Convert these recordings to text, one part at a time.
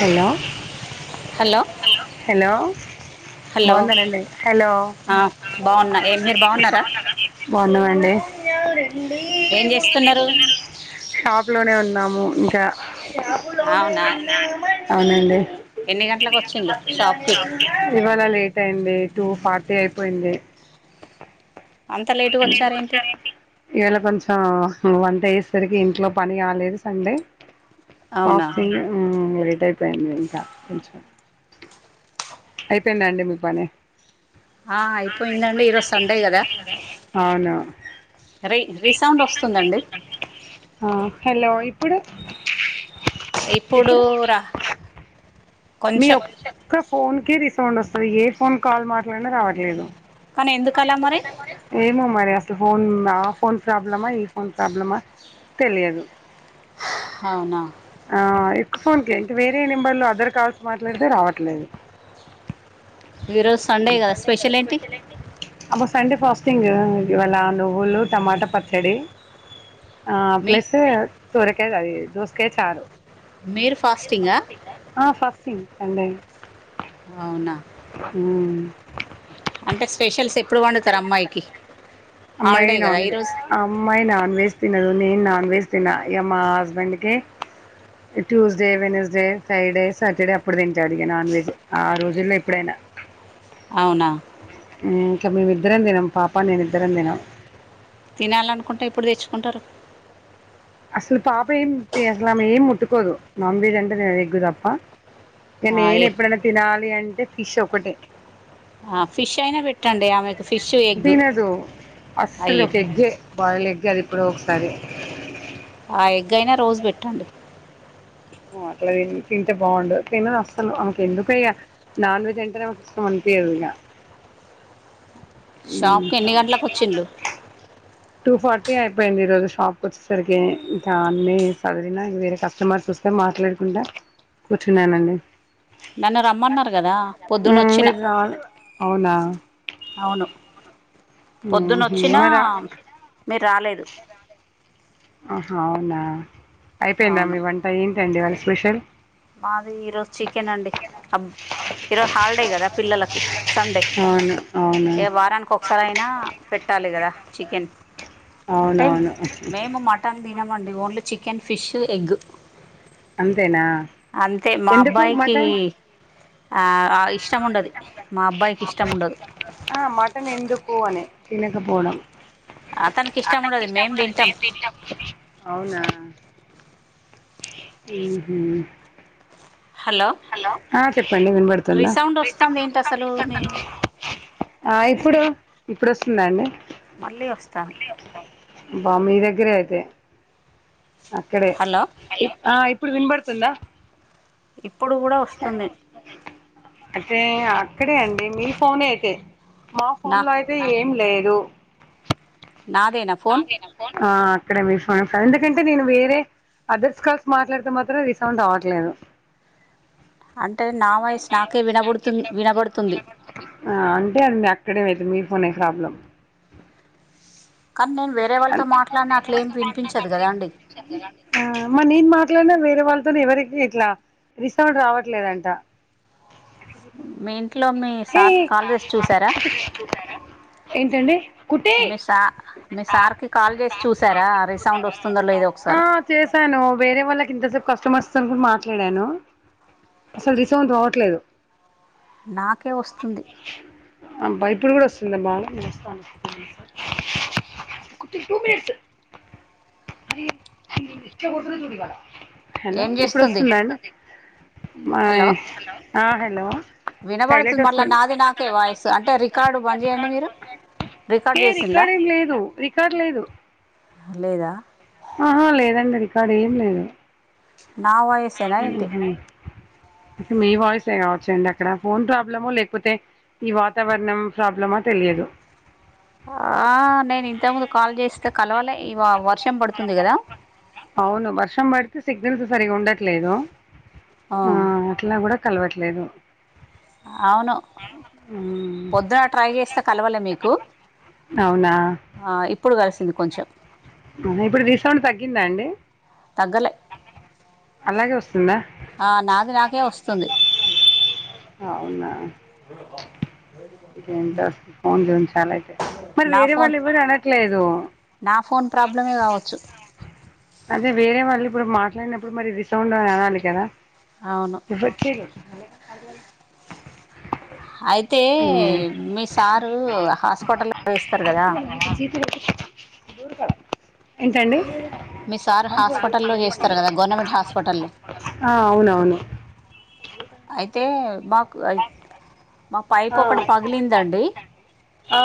Hello hello hello hello బాగున్నారా అండి ఆ, బాగున్నా ఏ మీరు బాగున్నారా బాగున్నామండి ఏం చేస్తున్నారు షాప్ లోనే ఉన్నాము ఇంకా అవునా ఎన్ని గంటలకు వచ్చిండ్లు షాప్కి ఇవాళ లేట్ అయింది టూ ఫార్టీ అయిపోయింది అంత ఇంత లేటుగా వచ్చారేంటి ఒచ్చారేంటి ఇయ్యాల కొంచెం వంట చేసేసరికి ఇంట్లో పని కాలేదు సండే అవునా ఫాస్టింగ్ ఆ లేట్ అయిపోయింది ఇంకా కొంచెం అయిపోయిందా అండి మీ పని ఆ అయిపోయింది అండి ఈ రోజు సండే కదా రీ రీసౌండ్ ఒస్తుందండి ఆ హలో ఇప్పుడు ఇప్పుడు రా మీ కొంచెం ఒక్క ఫోన్కే రిసౌండ్ ఒస్తది ఏ ఫోన్ కాల్ మాట్లాడినా రావట్లేదు కానీ ఎందుకు మరి అలా ఎందుకండి మరి ఏమో మరి అసలు ఫోన్ ఆ ఫోన్ ప్రాబ్లమా ఈ ఫోన్ ప్రాబ్లమా తెలియదు అవునా ఆ ఒక్క ఫోన్క వేరే నెంబర్లో అదర్ కాల్స్ మాట్లాడితే రావట్లేదు ఈరోజు సండే కదా స్పెషల్ ఏంటి అబ్బ సండే ఫాస్టింగ్ ఇవాళ నువ్వులు టమాట పచ్చడి ఆ మీ ప్లస్ సొరకాయ అది దోసకాయ చారు మీరు ఫాస్టింగా ఆ ఫాస్టింగ్ సండే అవునా ఊమ్ అంటే స్పెషల్స్ ఎప్పుడు వండుతరు అమ్మాయికి హాలిడే అమ్మాయినా కదా నాన్ ఈరోజు అమ్మాయి నాన్ వెెజ్ తినదు నేను నాన్ వెెజ్ తిన ఇగ మా హస్బెండ్కే ట్యూస్డే వెనస్డే ఫ్రైడే సాటర్డే అప్పుడు తింటాడిగా నాన్ వెజ్ ఆ రోజుల్లో ఎప్పుడైనా అవునా ఇంక మేమిద్దరం తినం పాప నేను ఇద్దరం తినం తినాలనుకుంటే ఎప్పుడు తెచ్చుకుంటరు అసలు పాప ఏం అసలు ఆమె ఏం ముట్టుకోదు నాన్ వెజ్ అంటే ఎగ్ తప్ప ఆ, నేను ఏ ఎప్పుడైన తినాలి అంటే ఫిష్ ఒకటే ఆ, ఫిష్ అయినా పెట్టండి ఆమెకు ఫిష్ ఎగ్ తినదు అసలు అయ్యో ఒక ఎగ్ ఏ బాయిల్డ్ ఎగ్ అది ఎప్పుడో ఒకసారి ఆ ఎగ్ అయినా రోజు పెట్టండి ఓ అట్ల తింటే బాగుండు తినదు అస్సలు అమెకు ఎందుకో ఇగ నాన్ వెజ్ అంటనే ఆమెకు ఇష్టం అనిపియ్యదు ఇగా షాప్కి ఎన్ని గంటలకు వచ్చిండ్లు ఊమ్ టూ ఫార్టీ అయిపోయింది ఈరోజు షాప్కి ఒచ్చేసరికి ఇంకా అన్ని చదివిన వేరే కస్టమర్స్ ఒ స్తే మాట్లాడుకుంటా కూర్చున్నానండి నన్ను రమ్మన్నారు కదా పొద్దున్న వచ్చిన మీరు రా అవునా అవును పొద్దున్న వచ్చినా మరా మీరు రాలేదు ఆహా అవునా అయిపోయిందా అవును మీ వంట ఏంటండీ ఇవాళ స్పెషల్ మాది ఈరోజు చికెన్ అండి హ ఈరోజు హాలిడే కదా పిల్లలకి సండే అవును అవును ఇగ వారానికి ఒక్కసారైనా పెట్టాలి కదా చికెన్ అంటే అవునవును మేము మటన్ తినమండి ఓన్లీ చికెన్ ఫిష్ ఎగ్ అంతేనా అంతే మా ఎందుకు అబ్బాయికి మటన్ ఆ ఇష్టం ఉండది మా అబ్బాయికి ఇష్టం ఉండదు ఆ, మటన్ ఎందుకుఅని తినకపోవడం అతనికి ఇష్టం ఉండదు మేం తింటాం అవునా హు హామ్ హలో హలో ఆ చెప్పండి వినబడుతుందా రీసౌండ్ రీ వస్తుంది సౌండ్ ఏంటి వస్తోంది అసలు ఏంటి మీ అసలు ఆ ఇప్పుడు ఇప్పుడు వస్తుందా అండి మళ్ళీ వస్తాంది బ్బా మీ దగ్గర అయితే అక్కడే హలో అయ్యో ఆ ఇప్పుడు వినపడుతుందా ఇప్పుడు కూడా వస్తుంది అయితే అక్కడే అండి మీ ఫోనే అయితే మా నా ఫోన్ లో అయిత్ తే ఏం లేదు నాదేనా ఫోన్ ఆ అక్కడే మీ [unintelligible] ఎందుకంటే నేను వేరే అదర్స్ కాల్స్ మాట్లాడితే మాత్రం రిసౌండ్ రావట్లేదు. అంటే నా వాయిస్ నాకే వినబడుత్ వినబడుతుంది. ఆ అంటే అద్ అక్కడే మీ ఫోనే ప్రాబ్లం కానీ నేను వేరే అ వాళ్ళతో మాట్లాడిన అట్లా ఏం వినిపించదు కదా అండి [unintelligible] ఆ మ నేను మాట్లాడినా వేరే వాళ్ళతోనీ ఎవరికి ఇట్లా రి సౌండ్ రావట్లేదంట మీ ఇంట్లో మీ హే సార్కి కాల్ చేసి చూసారా ఏంటండి కుట్టి మీ సా మీ సార్కి కాల్ చేసి చూసారా రీసౌండ్ వస్తుందో లేదో ఒక్క ఆ సారి. చేశాను వేరే వాళ్ళకి ఇంతసేపు కస్టమర్స్ తోనీ కూడా మాట్లాడాను. అసలు రిసౌండ్ రావట్లేదు నాకే వస్తుంది అబ్బా ఇప్పుడు కూడా వస్తుంద బాగా వస్తాంది టూ మనిట్స్ అ ఇచ్చతుంది చూడి మళ [unintelligible] హలో ఏం ఇప్పుడు ఇప్పుడు చేస్తుంది వస్తుందా హలో అండి హలో [unintelligible] టైలెట్ వినబడుతుంది మళ్ళా వస్తుంది నాది నాకే వాయిస్ అంటే రికార్డు బంద్ చేయండి మీరు. ఏ రికార్డ్ ఏమ్ లేదు రికార్డ్ లేదు లేదా ఆహా లేదండి రికార్డు ఏమ్ లేదు నా వాయిసేనా ఏంటి ఆహా మీ వాయిసే కావచ్చండి అక్కడ ఫోన్ ప్రాబ్లమో లేకపోతే ఈ వాతావరణం ప్రాబ్లమా తెలియదు ఆ నేను ఇంతకు ముంద్ కాల్ చేస్తే కలవలే ఇ వర్షం పడుతుంది కదా. అవును వర్షం పడితే సిగ్నల్స్ సరిగ ఉండట్లేదు. ఆ ఇట్లా కూడా కలవట్లేదు అవును మ్మ్. పొద్దున ట్రై చేస్తే కలవాలా మీకు అవునా ఆ ఇప్పుడు కలిసింది కొంచెం ఉహు ఇప్పుడు రిసౌండ్ తగ్గిందా అండి తగ్గలే అలాగే వస్తుందా ఆ నాది నాకే వస్తుంది అవునా ఏంటో [unintelligible] అయితే మరి నా వేరే ఫోన్ వాళ్ళు ఎవ్వరు అనట్లేదు. నా ఫోన్ ప్రాబ్లమే కావచ్చు అదే వేరే వాళ్ళు ఇప్పుడు మాట్లాడినప్పుడు మరి రిసౌండ్ అని అనాలి కదా. అవును కిగు అయితే మ్మ్. మీ సారు హాస్పిటల పోయోస్తారు కదా ఆయనకి చీటి పెట్టిచి ఏంటండి మీ సార్ హాస్పిటల్లో చేస్తారు కదా గవర్నమెంట్ హాస్పిటల్లో ఆ అవునవును అయితే మాక్ ఐ మా పైపు ఒకటి పగిలిందండి ఆ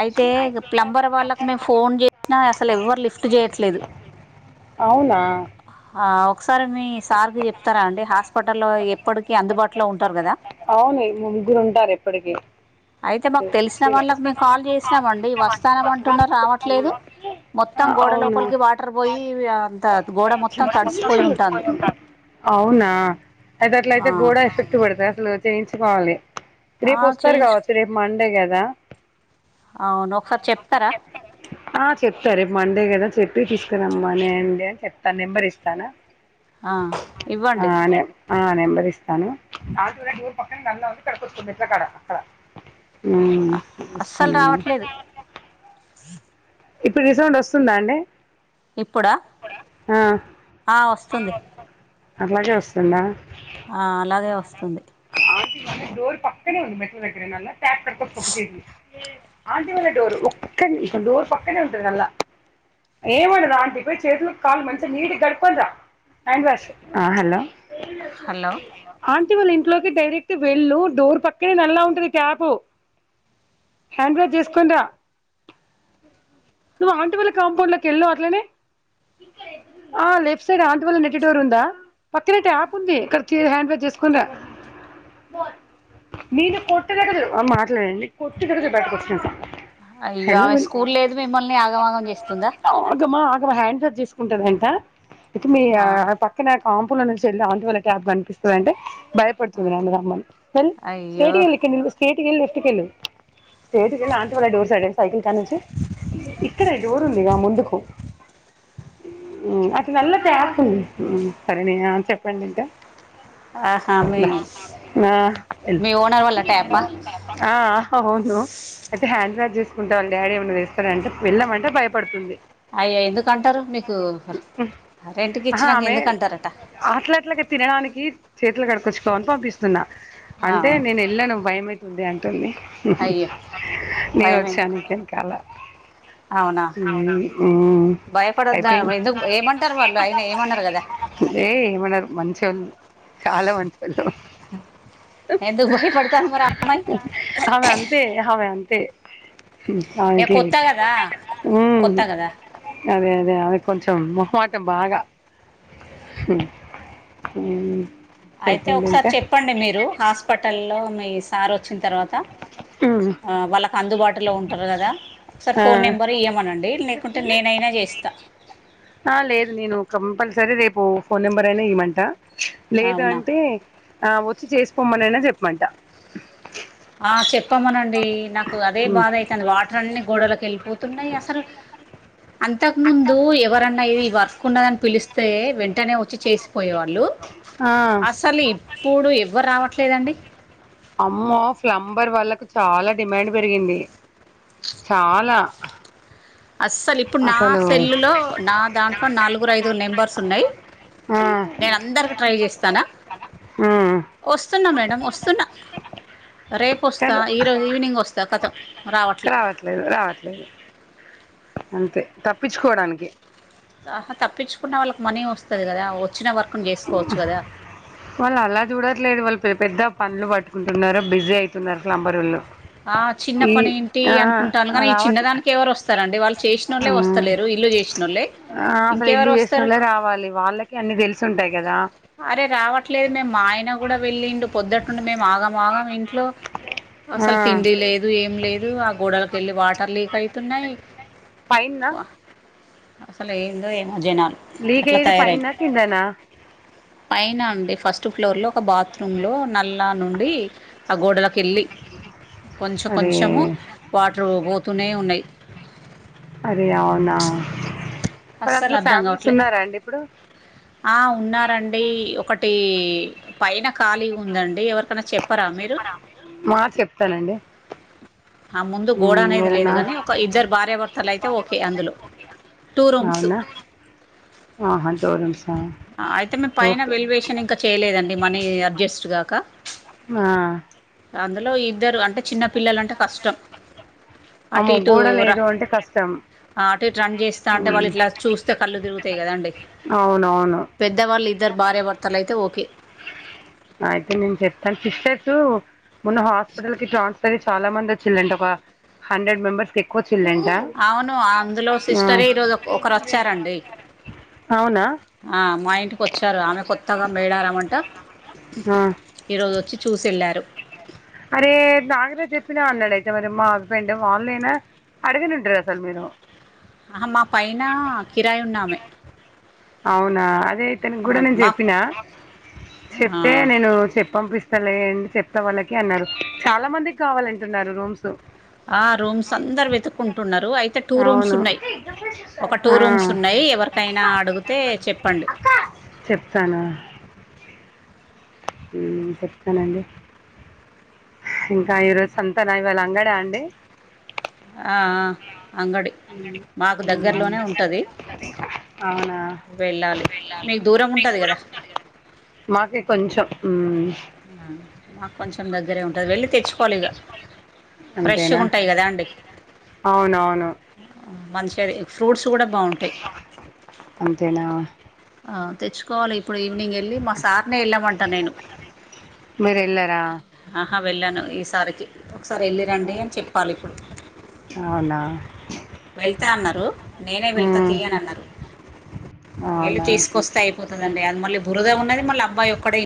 అయితే ఇగ ప్లంబర్ వాళ్ళకి మేము ఫోన్ చేసినా అసలు ఎవ్వరు లిఫ్ట్ చేయట్లేదు అవునా ఆ ఒకసారి మీ సార్కి చెప్తారా అండి హాస్పిటల్లో ఎప్పటికీ అందుబాటులో ఉంటారు కదా అవును ఈ ముగ్గురు ఉంటారు ఎప్పటికీ అయితే మాకు తెలిసిన వాళ్ళకి మేము కాల్ చేసినామ అండి వస్తాం అంటున్న రావట్లేదు ఆ, మొత్తం గోడ అవునా లోపలికి వాటర్ పోయి అంత గోడ మొత్తం తడిసిపోయి ఉంటుంది అవునా అయితే అట్లయితే గోడ ఎఫెక్ట్ పడుతుంది అసలు చేయించుకోవాలి రేపు వస్తారు చేయించు కావచ్చు రేపు మండే కదా అవును ఒకసారి చెప్తారా ఆ చెప్తా రేపు మండే కదా చెప్పి తీసుకురమ్మని అండి అని చెప్తాను నెంబర్ ఇస్తాను ఆ, ఆ ఇవ్వండి లెద్ ఆ నెంబరిస్తాను ఆంటీ కూడా టూల్ పక్కన నల్ల వుంది ఇక్కడ కుర్చో మెట్ల కాడ అక్కడ అస్సలు రావట్లేదు ఇప్పుడు రిసౌండ్ వస్తుందా అండి ఇప్పుడా ఆ. ఆ వస్తుంది అలాగే వస్తుందా ఆ అలాగే వస్తుంది ఆంటీ డోర్ పక్కనే ఉంది మెట్ల దగ్గర నల్ల టాప్ కడుకచ్చుకుపో చేతులు ఆంటీ వాళ్ళ డోర్ ఒక్క డోర్ పక్కనే ఉంటది నల్ల ఏమనరు ఆంటీ పోయి చేతులు కాలు మంచిగా నీటిగా కడుకొని రా హ్యాండ్వాష్ ఆ హలో హలో ఆంటీ వాళ్ళ ఇంట్లోకి డైరెక్ట్ వెళ్ళు డోర్ పక్కనే నల్లా ఉంటది ట్యాప్ హ్యాండ్ వాష్ చేసుకొని రా నువ్ ఆంటీ వల్ల కాంపౌండ్ లోకి వెళ్ళు అట్లనే ఆ లెఫ్ట్ సైడ్ ఆంటీ వాల్ల నెట్టి డోర్ ఉందా పక్కనే ట్యాప్ ఉంది ఖర్చీ హ్యాండ్ వాష్ చేసుకుని రా ఆ మాట్లాడండి బయటకొచ్చాను అయ్యో హలో ఆమె స్కూల్ లేదు మిమ్మల్ని ఆగమాగం చేస్తుందా ఆగమ్మా ఆగమా హ్యాండ్స్ చేసుకుంటదంట ఇక మీ ఆ పక్ నే కాంపౌండ్లోంచి వెళ్ళి అంటే ఆంటంటి వాల్ల ట్యాప్ కనిపిస్తుందాంటె బయ స్తుందని రమ్మని వేళ్ళు అయ్యో స్టేట్ వెళ్లి స్టేట్గెల్లి లెఫ్ట్కెళ్ళు స్ట్రెయిట్గెల్లి ఆంటి వాళ్ళ డోర్ సైడ్ సైకిల్ కాడ్నుంచి ఇక్కడే డోర్ ఉందిగా ముందుకు అటు నల్ల ట్యాప్ ఉంది ఆ సరేనని చెప్పండి ఇంకా ఆహా మీ ఆహ్ మీ ఓనర్ వాళ్ళ ట్యాపా ఆహా అవును అయితే హ్యాండ్ వాష్ చేసుకుంటే వాళ్ళ డాడి ఏమన్నా తేస్తారంటే వెళ్ళామంటే భయపడుతుంది అయ్యా ఎందుకుంటారు మీకు రెంట్కి ఆహా ఇచ్చినంకా ఆమె ఎందుకుంటారట అట్ల అట్లా తినడానికి చేతులు కడుకొచ్చుకోమని పంపిస్తు తున్న అంటే అవును. నేను వెళ్ళాను భయమైతుంది అంటుంది అయ్యో నేను భయం వచ్చాను ఎందుకు ఇంకా వెనకాల అవునా ఉ భయపడొద్దా ఎందుకు ఏమంటారు వాళ్ళు అయినా ఏమన్నారు కదా ఏ ఏమనరు మంచొళ్ళు చాలా మంచోళ్ళు ఎందుకు భయపడుతంది మరి ఆ అమ్మాయి అమె అంతే అమే అంతే ఏ ఆమెకీ కొత్త కదా ఉ కొత్త కదా అదే అదే ఆమెకి కొంచెం మొహమాటం బాగా హ్ ఉ అయితే ఒకసారి చెప్పండి మీరు హాస్పిటల్లో మీ సార్ ఓచ్చిన తర్వాత మ్మ్. అ వాళ్ళకు అందుబాటులో ఉంటరు గద ఒక సారి ఫోన్ ఆ నెంబర్ ఇయ్యమనండి లేకుంటే నేనైనా జెస్త ఆ లేదు నేను కంపల్సరీ రేపు ఫోన్ నెంబర్ అయినా ఇమంట లేదు అవునా అంటే ఆ వచ్చి చేసుపొమ్మనైనా చెప్పమంట ఆ చెప్పమనండి నాకు అదే ఉమ్ బాధ అయితంది వాట్ అన్ని గోడలకు ఎళ్ళిపోతున్నయి అసల్ అంతకు ముందు ఎవరన్న ఇది వర్క్ ఉన్నదని పిలిస్తే వెంటనే వచ్చి చేసి పోయేవాళ్ళు ఆ అసలు ఇప్పుడు ఎవ్వరు రావట్లేదండి అమ్మో ప్లంబర్ వాళ్ళకు చాలా డిమాండ్ పెరిగింది చాలా అస్సలు ఇప్పుడు నా అసలు సెల్లులో నా దాంట్లో నాలుగురు ఐదుగురు నెంబర్స్ ఉన్నయి ఆ నేను అందరికి ట్రై చేస్తాన్న ఉమ్ ఓస్తున్న మేడం ఓస్తున్న రేపు ఓస్తా కాదు ఈరోజు ఈవినింగ్ ఓస్తా కతం రావట్లే రాట్లేదు రావట్లేదు అంతే తప్పించుకోవడానికి ఆహా తప్పించుకున్న వాళ్ళకి మనీ ఓస్తది గదా వచ్చిన వర్క్ని జెసుకోవచ్చు గదా వళ్ళు అలా చూడట్లేదు వళ్ళు పెపెద్ద పనులు వట్టుకుంటున్నరు బిజీ అయితున్నరు ప్లంబరోళ్లు ఆ చిన్న పని ఏంటి అనుకుంటాను కానీ ఈ చిన్న రావట్లే దానికి ఎవరు ఓస్త స్తారండి వాళ్ళు చేసినోళ్ళే ఆ వస్తలేరు ఇల్లు చేసినోళ్ళే ఇంకెవరు వస్తారు కావాలి వాళ్ళకి అన్నీ తెలుసు ఉంటాయి కదా అరే రావట్లేదు మేము మా ఆయన గుడా వెళ్ళిండు పొద్దుట్టుండి మేము ఆగాం ఆగం ఇంట్లో ఆ అసలు తిండి లేదు ఏం లేదు ఆ గోడల కెళ్ళి వాటర్ లీక్ అయితున్నయి పైన్నా వ అసలు ఏందో ఏమో జనాలు లీగ అట్లా కయ్యేది తయారయి పైనా కిందనా పైన అండి ఫస్ట్ ఫ్లోర్లో ఒక బాత్రూమ్లో నల్ల నుండి ఆ గోడలకెళ్ళి కొంచెం అరే కొంచము వాటర్ ఓతూనే ఉన్నయి అరె అవునా మరి అస్సలు అందులో అర్థం ఫ్యామిలీస్ కావట్లే ఉన్నారా అండి ఇప్పుడు ఆ ఉన్నా ఉందండి ఒకటి పైన ఖాళీ ఉందండి ఎవరికన్న చెప్పరా మీరు మా చెప్తానండి ఆ ముందు గోడ ఉమ్ అనేది లేదు ఎవరన్నా గాని ఒక ఇద్దరు భార్యభర్తలు అయితే ఓకే అందులో టూ రూమ్స్ అవునా ఆహా టూ రూమ్సా అయితే మే పైన ఓకే వెలువేషాన్ ఇంక చేయలేదండి మనీ అడ్జస్ట్ గాక ఆ అందులో ఇద్దరు అంటే చిన్న పిల్లలంటే కష్టం అమ్మో అటీ ఇటూ గోడ ర లేదు అంటే కష్టం ఆ అటు ఇ రన్ చేస్తా అంటే వాళ్ళు ఇట్లా చూస్తే కళ్ళు తిరుగుతాయి కదా అండి అవునవును పెద్దవాళ్ళు ఇద్దరు భార్యభర్తలయితే ఓకే అయితే నేను చెప్తాను సిస్టర్సు మొన్న హాస్పిటల్ కి ట్రాన్స్ఫర్ అయి చాలా మంది వచ్చిందంట ఒక హండ్రెడ్ మెంబర్స్కి ఎక్కువ చిల్ంట అవును అందులో సిస్టరే ఈరోజు ఒక ఒకరు వచ్చారండి అవునా మా ఇంటికి కొచ్చారు ఆమె కొత్తగా మేడారామంట ఆ ఈ రోజు వచ్చి చూసియెళ్ళారు అరే నాగరాజు చెప్పినా అన్నాడయితే మరి మా హస్బెండ్ వాల్లె నా అడిగనుండ అసలు మీరు ఆహా మా పైన కిరాయి ఉన్నామే అవునా అదే ఇతనికి కూడా ఆ, నేను మా చెప్పినా ఆ! చెప్తే నేను చెప్పి పంపిస్తా సల్లే చెప్తా వాళ్ళకి అన్నారు చాలా మందికి కావాలంటున్నారు రూమ్స్ ఆ రూమ్స్ అందరు వెతుక్కుంటున్నరు అయి అతే టూ రూమ్స్ అవును ఉన్నాయి ఒక టూ ఆ రూమ్స్ ఉన్నాయి ఎవరికైనా అడిగితే చెప్పండి తను మ్మ్ చెప్తానండి ఇంకా ఈరోజు సంతాన ఇవాళ అంగడా అండి ఆ ఆ అంగడి అంగడి మాకు దగ్గరలోనే ఉంటది. [unintelligible] అద అవునా వెళ్ళాలి మీకు మీ ఉంటది దూరం గదా! ఉంటాది కదా అండి మాకే కొంచెం అ మాకు కొంచెం దగ్గరే ఉంటాది వెళ్ళి తెచ్చుకోవాలి ఇక ఫ్రెష్గా అంతేనా ఉంటాయి కదా అండి అవునవును మంచిది ఫ్రూట్స్ గుడ బాగుంటయి అంతేనా ఆ తెచ్చుకోవాలి ఇప్పుడు ఈవినింగ్ వెళ్ళి మా సార్నే ఎళ్ళామంటా నేను. మీరెల్లరా? అహ వెళ్ళను ఈసారికి, ఒకసారి ఎళ్ళిరండి అని చెప్పాలి ఇప్పుడు. అవునా వెళ్త అన్నరు నేనే వెళ్తా ఉమ్, తీయనన్నరు వెళ్ళి అవునా తీసుకొస్తయ్ పోతదండి అది మళ్లి బురదగా ఉన్నది మళ్ళీ అబ్బాయొక్కడే